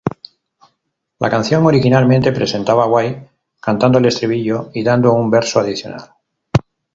La canción originalmente presentaba a White cantando el estribillo y dando un verso adicional.